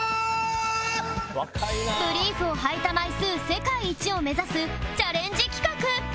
ブリーフをはいた枚数世界一を目指すチャレンジ企画